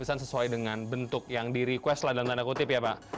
bisa dipesan sesuai dengan bentuk yang di request lah dalam tanda kutip ya pak